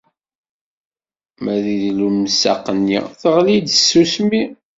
Ma deg lemsaq-nni, teɣli-d tsusmi.